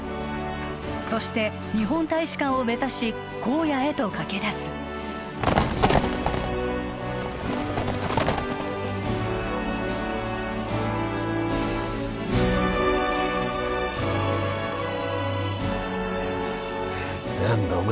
そして日本大使館を目指し荒野へと駆け出す何だお前